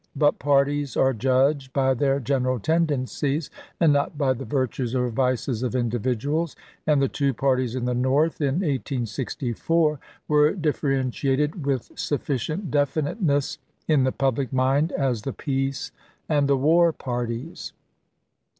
But parties are judged by their general tendencies and not by the virtues or vices of individuals ; and the two parties in the North in 1864 were differentiated with sufficient definiteness in the public mind as the peace and the war parties.